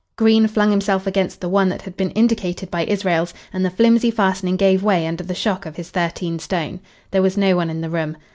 Green flung himself against the one that had been indicated by Israels, and the flimsy fastening gave way under the shock of his thirteen stone. There was no one in the room.